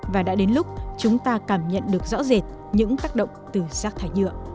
và đã đến lúc chúng ta cảm nhận được rõ rệt những tác động từ rắc thải